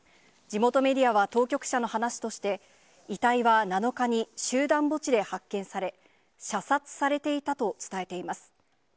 地元メディアは当局者の話として、遺体は７日に集団墓地で発見され、射殺されていたと伝えています。